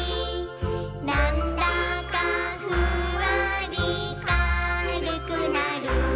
「なんだかフワリかるくなる」